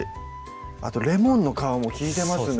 あとレモンの皮も利いてますね